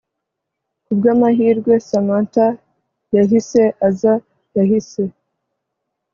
Kubwamahirwe Samantha yahise aza Yahise